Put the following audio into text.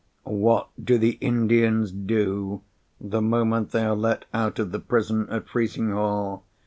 "What do the Indians do, the moment they are let out of the prison at Frizinghall?